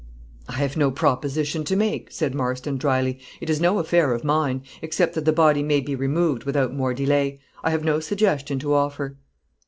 "I have no proposition to make," said Marston, drily. "It is no affair of mine, except that the body may be removed without more delay. I have no suggestion to offer."